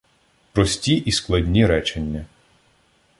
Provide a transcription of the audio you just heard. Прості і складні речення